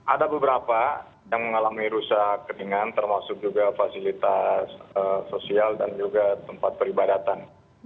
ada beberapa yang mengalami rusak ringan termasuk juga fasilitas sosial dan juga tempat peribadatan